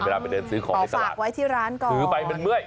เวลาไปเดินซื้อของในตลาดถือไปมันมื้อย